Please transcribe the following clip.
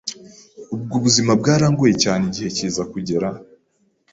Ubwo buzima bwarangoye cyane igihe kiza kuger